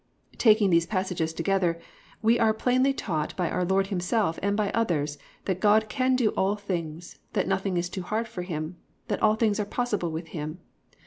"+ Taking these passages together, we are plainly taught by our Lord Himself and by others that _God can do all things, that nothing is too hard for Him, that all things are possible with Him.